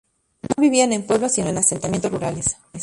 No vivían en pueblos, sino en asentamientos rurales.